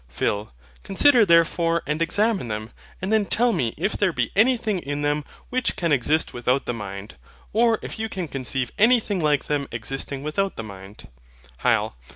PHIL. Consider, therefore, and examine them, and then tell me if there be anything in them which can exist without the mind: or if you can conceive anything like them existing without the mind. HYL.